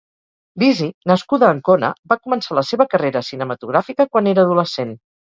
Lisi, nascuda a Ancona, va començar la seva carrera cinematogràfica quan era adolescent.